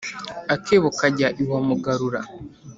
Akebo kajya iwa mugarura